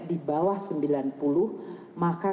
di bawah sembilan puluh maka